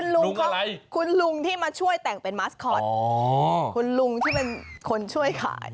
ลุงเขาคุณลุงที่มาช่วยแต่งเป็นมาสคอตคุณลุงที่เป็นคนช่วยขาย